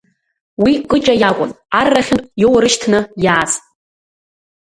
Уи Кыҷа иакәын, аррахьынтә иоурышьҭны иааз.